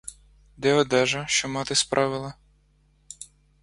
Де одежа, що мати справила?